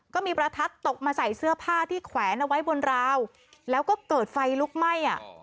ประทัดตกมาใส่เสื้อผ้าที่แขวนเอาไว้บนราวแล้วก็เกิดไฟลุกไหม้อ่ะ